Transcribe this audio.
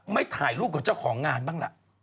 ถ่ายรูปกับเจ้าของงานบ้างล่ะ